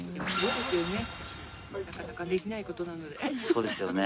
そうですよね。